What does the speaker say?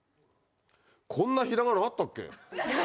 こんなひらがなあったっけ？